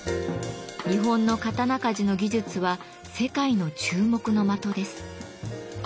日本の刀鍛冶の技術は世界の注目の的です。